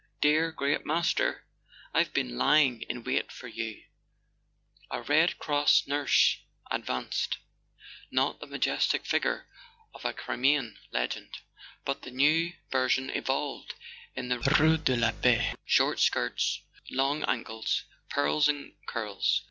Dear great Master! I've been lying in wait for you !" A Red Cross nurse advanced: not the majestic figure of the Crimean legend, but the new version evolved in the rue de la Paix: short skirts, long ankles, pearls and curls.